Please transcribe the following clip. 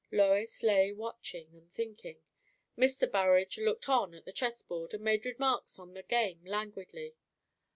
Lois lay watching and thinking. Mr. Burrage looked on at the chess board, and made remarks on the game languidly.